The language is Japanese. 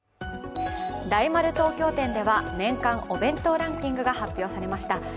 大丸東京店では年間お弁当ランキングが発表されました。